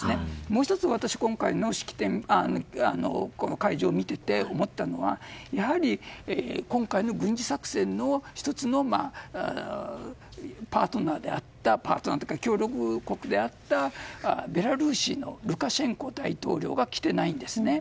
もう１つ、私、今回の式典この会場を見ていて思ったのはやはり今回の軍事作戦の１つのパートナーというか協力国であったベラルーシのルカシェンコ大統領が来ていないんですね。